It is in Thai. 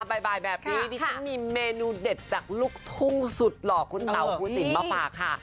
บ่ายแบบนี้ดิฉันมีเมนูเด็ดจากลูกทุ่งสุดหล่อคุณเต๋าภูสินมาฝากค่ะ